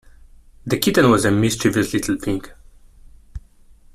The kitten was a mischievous little thing.